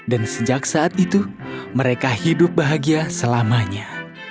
dan sejak saat itu mereka hidup bahagia selamanya